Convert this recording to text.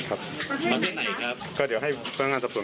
ก้าใช้สารเสพติดด้วย